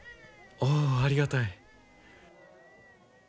ああありがたい。